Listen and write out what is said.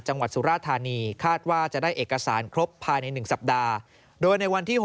สุราธานีคาดว่าจะได้เอกสารครบภายใน๑สัปดาห์โดยในวันที่๖